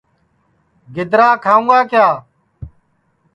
گِدرا کھاؤں گا کِیا